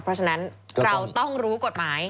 เพราะฉะนั้นเราต้องรู้กฎหมาย